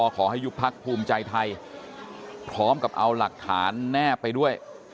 ขอให้ยุบพักภูมิใจไทยพร้อมกับเอาหลักฐานแนบไปด้วย